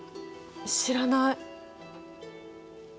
知らない。